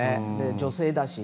女性だし。